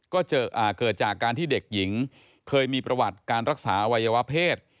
ก็เกิดจากการที่เด็กหญิงเคยมีประวัติการรักษาอวัยวะเพศ